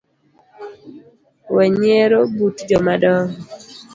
Wenyiero but jomadongo